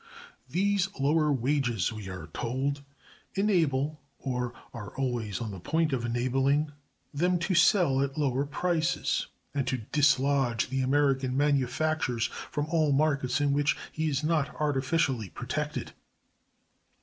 These lower wages, we are told, enable, or are always on the point of enabling, them to sell at lower prices, and to dislodge the [American] manufacturer from all markets in which he is not artificially protected.